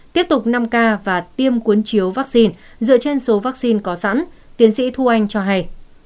tiếp tục năm k và tiêm cuốn chiếu vaccine dựa trên số vaccine có sẵn tiến sĩ thu anh cho hay